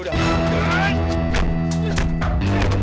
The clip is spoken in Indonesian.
udah pak pak